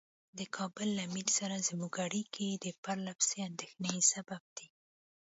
د کابل له امیر سره زموږ اړیکې د پرله پسې اندېښنې سبب دي.